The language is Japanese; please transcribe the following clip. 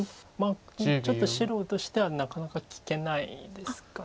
ちょっと白としてはなかなか利けないですか。